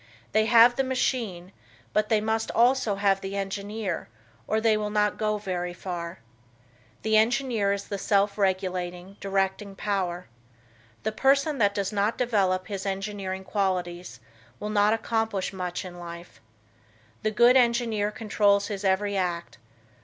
They have the machine, but they must also have the engineer, or they will not go very far. The engineer is the self regulating, directing power. The person that does not develop his engineering qualities will not accomplish much in life. The good engineer controls his every act.